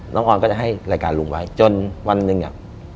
ออนก็จะให้รายการลุงไว้จนวันหนึ่งอ่ะ